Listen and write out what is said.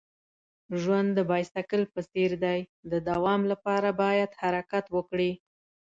ژوند د بایسکل په څیر دی. د دوام لپاره باید حرکت وکړې.